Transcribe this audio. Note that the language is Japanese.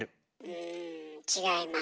うん違います。